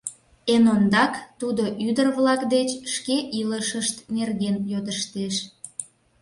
Эн ондак тудо ӱдыр-влак деч шке илышышт нерген йодыштеш.